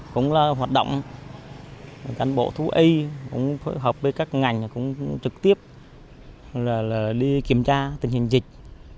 cũng là hoạt động cán bộ thú y cũng phối hợp với các ngành cũng trực tiếp đi kiểm tra tình hình dịch